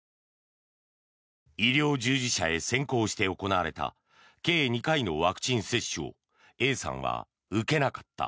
医療従事者へ先行して行われた計２回のワクチン接種をＡさんは受けなかった。